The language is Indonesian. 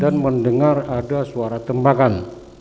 dan mendengar ada suara tembakan